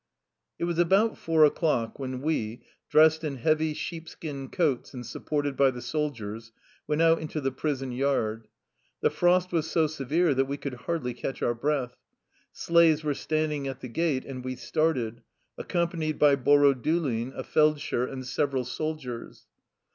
It was about four o'clock when we, dressed in heavy sheepskin coats and supported by the sol diers, went out into the prison yard. The frost was so severe that we could hardly catch our breath. Sleighs were standing at the gate, and we started, accompanied by Borodulin, a feld sher, and several soldiers.